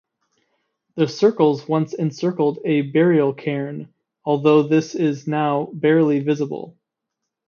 The circles once encircled a burial cairn although this is now barely visible.